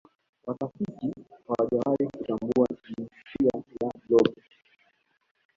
watafiti hawajawahi kutambua jinsia ya blob